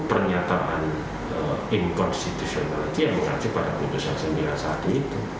pernyataan inkonstitusional itu yang diaju pada putusan sembilan puluh satu itu